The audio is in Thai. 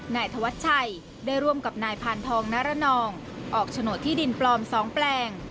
นายธวัชชัยได้ร่วมกับนายพานทองนารนองออกโฉนดที่ดินปลอม๒แปลง